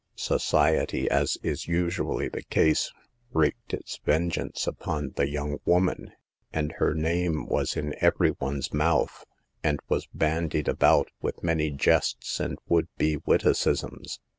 Society, as is usually the case, wreaked its vengeance upon the young woman, and her name was in every one's mouth, and was bandied about with many jests and would be witticisms.